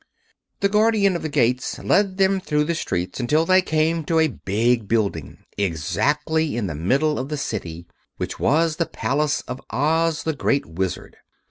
The Guardian of the Gates led them through the streets until they came to a big building, exactly in the middle of the City, which was the Palace of Oz, the Great Wizard.